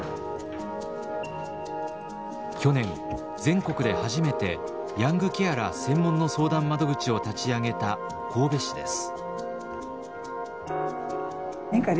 去年全国で初めてヤングケアラー専門の相談窓口を立ち上げた神戸市です。